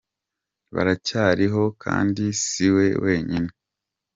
Baracyariho kandi si we wenyine.